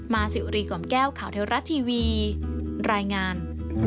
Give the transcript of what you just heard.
สิวรีกล่อมแก้วข่าวเทวรัฐทีวีรายงาน